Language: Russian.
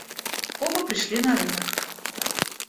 Оба пришли на рынок.